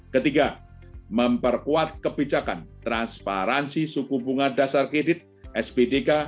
ketiga memperkuat kebijakan transparansi suku bunga dasar kredit spdk